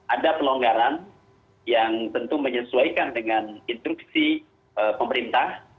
ada pelonggaran yang tentu menyesuaikan dengan instruksi pemerintah